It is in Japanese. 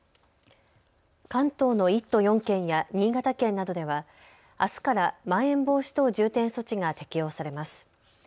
関東の１都４県や新潟県などではあすからまん延防止等重点措置が適用されます。